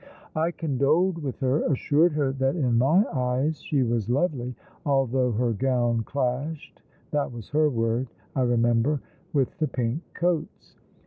I condoled with her, assured her that in my eyes she was lovely, although her gown clashed — that was her word, I remember — with the pink coats.